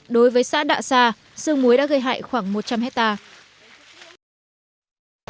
đối với xã đạ sa sương muối đã gây hại khoảng một trăm linh hectare